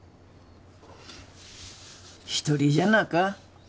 一人じゃなか。